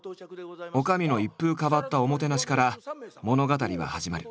女将の一風変わったおもてなしから物語は始まる。